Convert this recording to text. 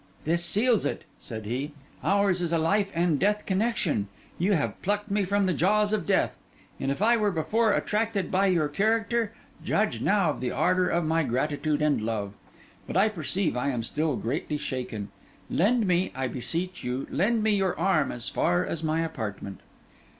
'This seals it,' said he. 'Ours is a life and death connection. You have plucked me from the jaws of death; and if I were before attracted by your character, judge now of the ardour of my gratitude and love! But I perceive I am still greatly shaken. Lend me, I beseech you, lend me your arm as far as my apartment.